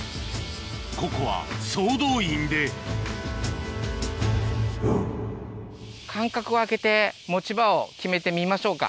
ここは総動員で間隔を空けて持ち場を決めてみましょうか。